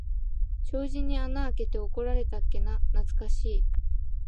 障子に穴あけて怒られたっけな、なつかしい。